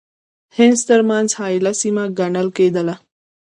هند ترمنځ حایله سیمه ګڼله کېدله.